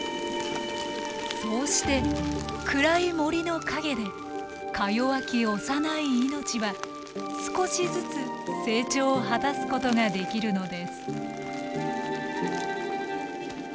そうして暗い森の陰でかよわき幼い命は少しずつ成長を果たすことができるのです。